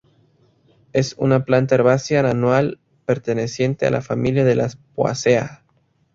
Es una planta herbácea anual, perteneciente a la familia de las poaceae.